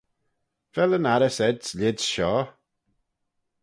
Vel yn arrys ayds lhied's shoh?